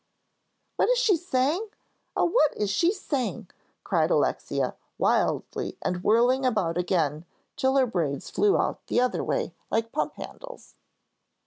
"What's she saying? Oh, what's she saying?" cried Alexia, wildly, and whirling about again till her braids flew out the other way like pump handles.